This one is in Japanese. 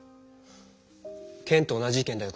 ケンと同じ意見だよ